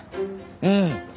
うん。